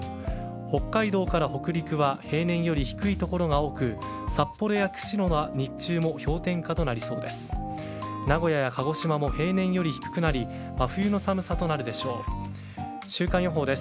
北海道から北陸は平年より低い所が多く札幌や釧路は日中も氷点下となりそうです。